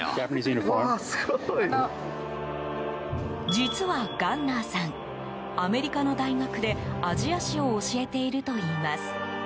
実は、ガンナーさんアメリカの大学で、アジア史を教えているといいます。